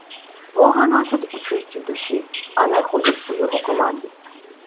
Бога носять у чистій душі, а не ходять «у його команді»